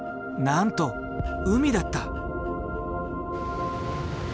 なんと海だった。